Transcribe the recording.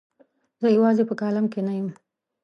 زه یوازې په کالم کې نه یم.